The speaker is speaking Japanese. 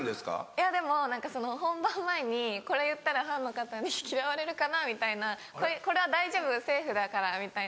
いやでも何かその本番前に「これ言ったらファンの方に嫌われるかな？」みたいな「これは大丈夫セーフだから」みたいな。